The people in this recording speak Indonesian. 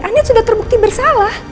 andin sudah terbukti bersalah